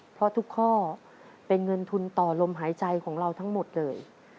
เพราะทุกข้อเป็นเงินทุนต่อลมหายใจของเราทั้งหมดเลย